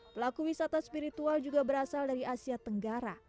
pelaku wisata spiritual juga berasal dari asia tenggara